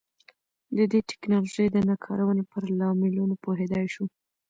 د دې ټکنالوژۍ د نه کارونې پر لاملونو پوهېدای شو.